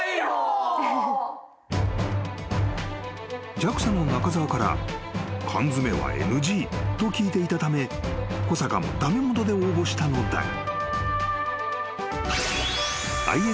［ＪＡＸＡの中沢から缶詰はＮＧと聞いていたため小坂も駄目もとで応募したのだが］